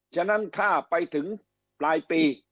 ฉะนั้นถ้าไปถึงปลายปี